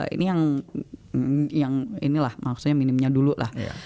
ini yang ini lah maksudnya minimnya dulu lah